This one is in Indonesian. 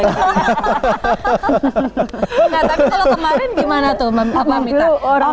tapi kalau kemarin gimana tuh